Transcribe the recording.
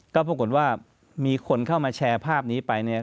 ก็ปรากฏว่ามีคนเข้ามาแชร์ภาพนี้ไปเนี่ย